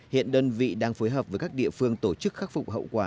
hiện đơn vị đang phối hợp với các địa phương tổ chức khắc phục hậu quả